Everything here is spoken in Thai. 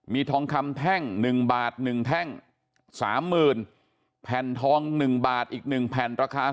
มีทองคำแท่ง๑บาท๑แท่ง๓๐๐๐แผ่นทอง๑บาทอีก๑แผ่นราคา